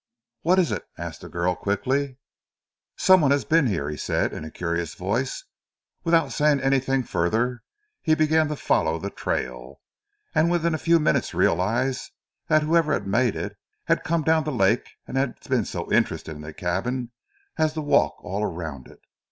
"What is it?" asked the girl quickly. "Some one has been here," he said, in a curious voice. Without saying anything further he began to follow the trail, and within a few minutes realized that whoever had made it had come down the lake and had been so interested in the cabin as to walk all around it.